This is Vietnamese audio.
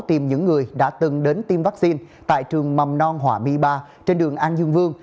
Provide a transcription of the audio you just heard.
tìm những người đã từng đến tiêm vaccine tại trường mầm non hòa my ba trên đường an dương vương